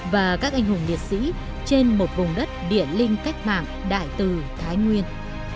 và các anh hùng liệt sĩ trên một vùng đất địa linh cách mạng đại từ thái nguyên